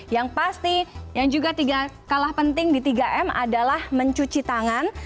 yang pasti yang juga tidak kalah penting di tiga m adalah mencuci tangan